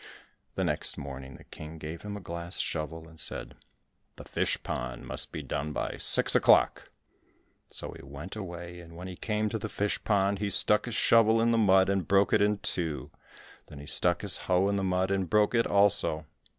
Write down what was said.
The next morning the King gave him a glass shovel and said, "The fish pond must be done by six o'clock." So he went away, and when he came to the fish pond he stuck his shovel in the mud and it broke in two, then he stuck his hoe in the mud, and broke it also.